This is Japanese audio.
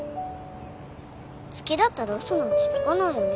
好きだったら嘘なんてつかないよね。